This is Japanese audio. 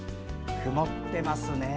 曇っていますね。